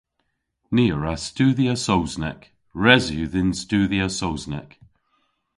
Ni a wra studhya Sowsnek. Res yw dhyn studhya Sowsnek.